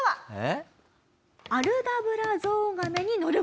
えっ！？